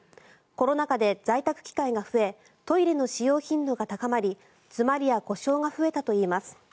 コロナ禍で在宅機会が増えトイレの使用頻度が高まり詰まりや故障が増えたといいます。